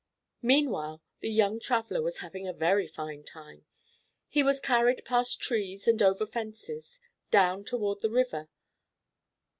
Meanwhile, the young traveller was having a very fine time. He was carried past trees and over fences, down toward the river.